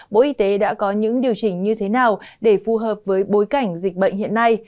bộ y tế đã có những điều chỉnh như thế nào để phù hợp với bối cảnh dịch bệnh hiện nay